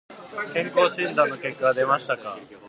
健康診断の結果は出ましたか。